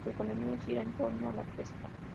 Su economía gira en torno a la pesca.